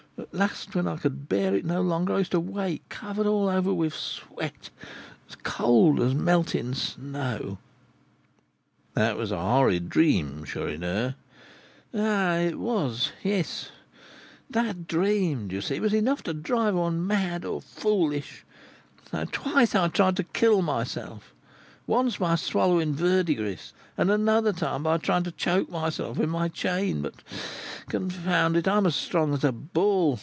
At last, when I could bear it no longer, I used to wake covered all over with sweat, as cold as melting snow." "That was a horrid dream, Chourineur!" "It was; yes. That dream, do you see, was enough to drive one mad or foolish; so, twice, I tried to kill myself, once by swallowing verdigris, and another time by trying to choke myself with my chain; but, confound it, I am as strong as a bull.